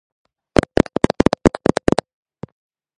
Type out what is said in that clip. ფუნდამენტური შრომები აქვს დიფერენციალურ განტოლებათა თეორიის საკითხებზე.